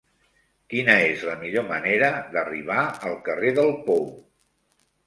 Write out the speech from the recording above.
Quina és la millor manera d'arribar al carrer del Pou?